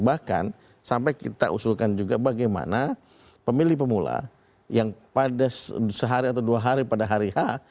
bahkan sampai kita usulkan juga bagaimana pemilih pemula yang pada sehari atau dua hari pada hari h